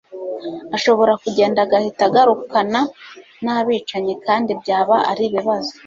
ashobora kugenda agahita agarukana nabicanyi kandi byaba ari ibibazo